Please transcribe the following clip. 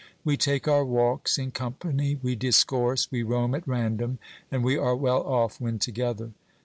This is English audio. We take our walks in company, we discourse, we roam at random, and we are well off when together.